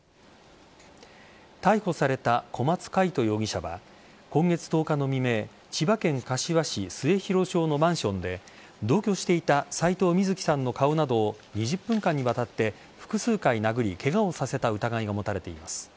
逮捕された小松魅人容疑者は今月１０日の未明千葉県柏市末広町のマンションで同居していた斎藤瑞希さんの顔などを２０分間にわたって複数回殴りケガをさせた疑いが持たれています。